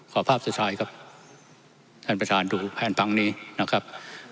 ภาพสุดท้ายครับท่านประธานดูแผนพังนี้นะครับ